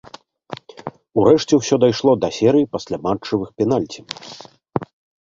Урэшце ўсё дайшло да серыі пасляматчавых пенальці.